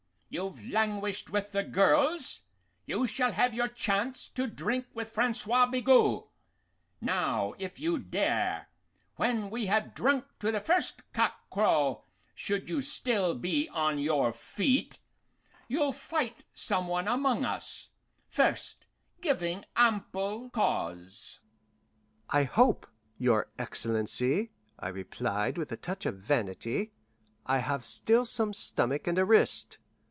You've languished with the girls; you shall have your chance to drink with Francois Bigot. Now, if you dare, when we have drunk to the first cockcrow, should you be still on your feet, you'll fight some one among us, first giving ample cause." "I hope, your excellency," I replied, with a touch of vanity, "I have still some stomach and a wrist.